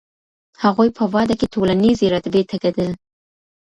هغوی په واده کي ټولنیزې رتبې ته کتل.